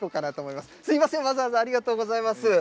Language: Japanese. すみません、わざわざありがとうございます。